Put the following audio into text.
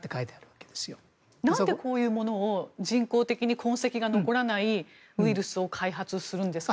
なんでこういうものを人工的に痕跡が残らないものを開発するんですか。